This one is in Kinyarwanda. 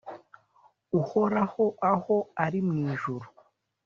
uhoraho, aho ari mu ijuru